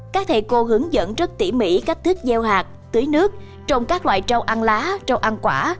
các thầy cô hướng dẫn rất tỉ mỉ cách thức gieo hạt tưới nước trồng các loại rau ăn lá rau ăn quả